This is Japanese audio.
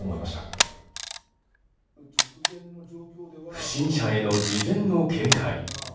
不審者への事前の警戒。